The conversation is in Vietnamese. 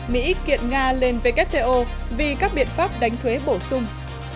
mỹ kiện nga lên wto vì các biện pháp đánh thuế bổ sung